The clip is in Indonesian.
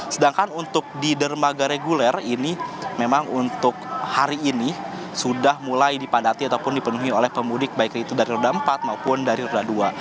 sedangkan untuk di dermaga reguler ini memang untuk hari ini sudah mulai dipadati ataupun dipenuhi oleh pemudik baik itu dari roda empat maupun dari roda dua